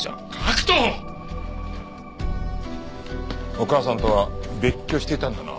お母さんとは別居していたんだな。